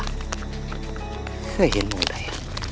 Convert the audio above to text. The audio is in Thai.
เคยเห็นมุมใด